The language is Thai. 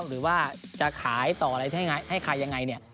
หรือว่าจะขายต่ออะไรให้ใครยังไงเนี่ย